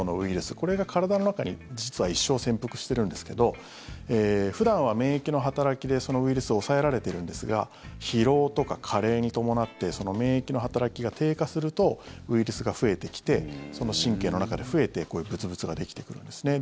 これが体の中に実は、一生潜伏してるんですけど普段は免疫の働きでそのウイルスを抑えられてるんですが疲労とか加齢に伴ってその免疫の働きが低下するとウイルスが増えてきてその神経の中で増えてこういうぶつぶつができてくるんですね。